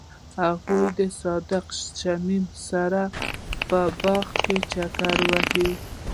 هغوی د صادق شمیم سره په باغ کې چکر وواهه.